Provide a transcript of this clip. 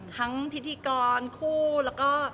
ทั้งพิธีกรคู่แล้วก็